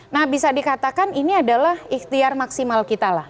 nah bisa dikatakan ini adalah ikhtiar maksimal kita lah